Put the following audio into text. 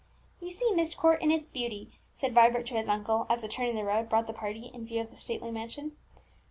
"You see Myst Court in its beauty," said Vibert to his uncle, as a turn in the road brought the party in view of the stately mansion.